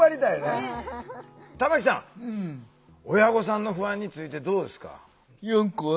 親御さんの不安についてどうですか？